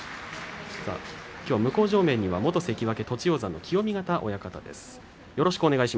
向正面には元関脇栃煌山の清見潟親方です。